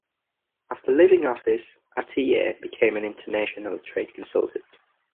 After leaving office, Atiyeh became an international trade consultant.